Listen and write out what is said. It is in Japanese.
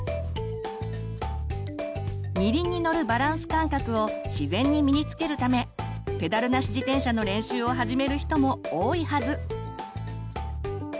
「二輪」に乗るバランス感覚を自然に身につけるためペダルなし自転車の練習を始める人も多いはず。